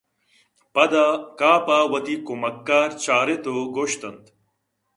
پدا کاف ءَوتی کمکار چاراِت ءُگوٛشت اَنت